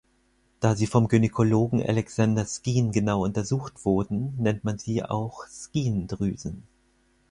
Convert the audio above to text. Da sie vom Gynäkologen Alexander Skene genau untersucht wurden, nennt man sie auch Skene-Drüsen.